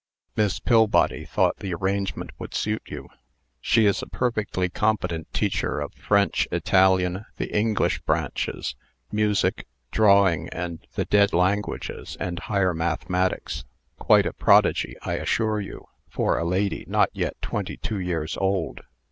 "Miss Pillbody thought the arrangement would suit you. She is a perfectly competent teacher of French, Italian, the English branches, music, drawing, the dead languages, and higher mathematics quite a prodigy, I assure you, for a lady not yet twenty two years old."